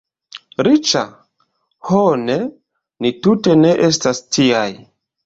Riĉa? Ho ne, ni tute ne estas tiaj.